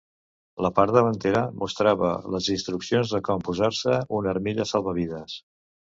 La part davantera mostrava les instruccions de com posar-se una armilla salvavides.